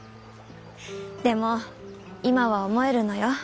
でも今は思えるのよ。